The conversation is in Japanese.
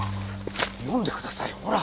読んでくださいよほら。